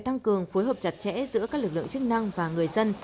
tăng cường phối hợp chặt chẽ giữa các lực lượng chức năng và người dân